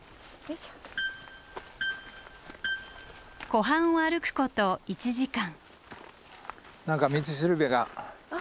湖畔を歩くこと１時間。